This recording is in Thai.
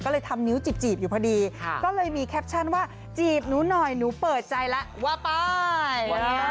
ก็เลยทำนิ้วจีบอยู่พอดีก็เลยมีแคปชั่นว่าจีบหนูหน่อยหนูเปิดใจแล้วว่าไป